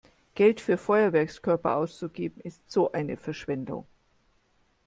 Geld für Feuerwerkskörper auszugeben ist so eine Verschwendung!